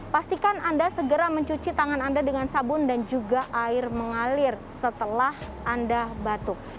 pastikan anda segera mencuci tangan anda dengan sabun dan juga air mengalir setelah anda batuk